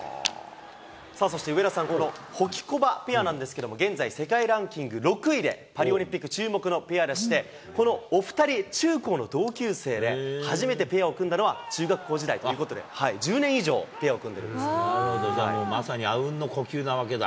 そして上田さん、ホキコバペアなんですけど、現在、世界ランキング６位で、パリオリンピック注目のペアでして、このお２人、中高の同級生で、初めてペアを組んだのは中学校時代ということで、１０年以上、じゃあ、まさにあうんの呼吸なわけだ。